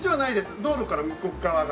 道路から向こう側が。